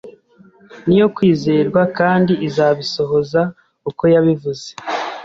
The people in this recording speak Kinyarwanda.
niyo kwizerwa kandi izabisohoza uko yabivuze